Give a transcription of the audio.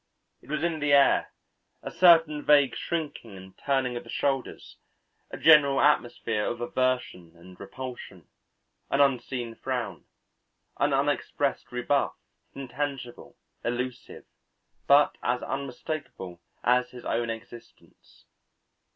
It was in the air, a certain vague shrinking and turning of the shoulder, a general atmosphere of aversion and repulsion, an unseen frown, an unexpressed rebuff, intangible, illusive, but as unmistakable as his own existence.